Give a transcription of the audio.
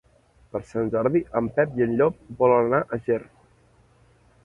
Per Sant Jordi en Pep i en Llop volen anar a Ger.